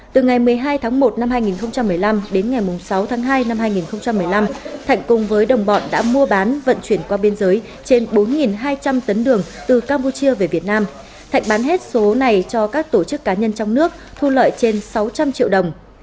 từ ngày một mươi hai tháng một năm hai nghìn một mươi năm đến ngày sáu tháng hai năm hai nghìn một mươi năm thạnh cùng với đồng bọn đã mua bán vận chuyển qua biên giới trên bốn hai trăm linh tấn đường từ campuchia về việt nam thạnh bán hết số này cho các tổ chức cá nhân trong nước thu lợi trên sáu trăm linh triệu đồng